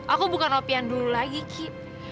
aku bukan opi yang dulu lagi ki